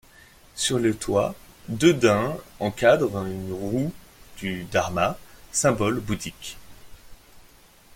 Sur le toit, deux daims encadrent une roue du dharma, symbole bouddhique.